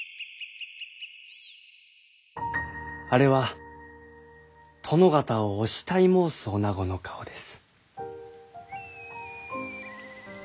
あれは殿方をお慕い申す女子の顔です。